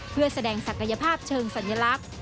เพื่อแสดงศักยภาพเชิงสัญลักษณ์